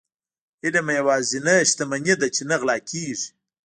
علم يوازنی شتمني ده چي نه غلا کيږي.